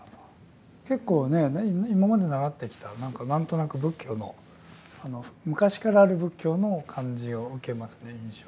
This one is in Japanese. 結構ね今まで習ってきた何となく仏教の昔からある仏教の感じを受けますね印象を。